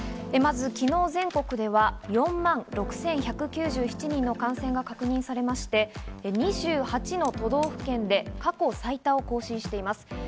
まず昨日、全国では４万６１９７人の感染が確認されまして、２８の都道府県で過去最多を更新しています。